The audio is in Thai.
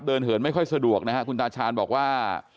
เหินไม่ค่อยสะดวกนะฮะคุณตาชาญบอกว่า